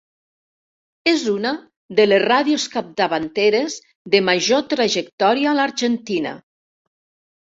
És una de les ràdios capdavanteres de major trajectòria a l'Argentina.